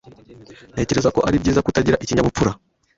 Ntekereza ko ari byiza kutagira ikinyabupfura